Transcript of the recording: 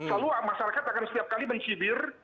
selalu masyarakat akan setiap kali mencibir